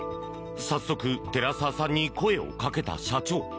早速、寺澤さんに声をかけた社長。